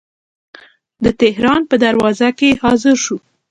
د تهران په دروازه کې حاضر شو.